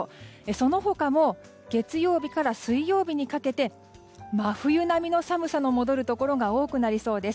その他も月曜日から水曜日にかけて真冬並みの寒さの戻るところが多くなりそうです。